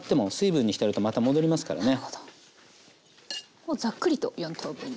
もうざっくりと４等分に。